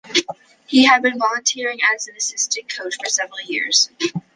He had been volunteering as an assistant coach for several years.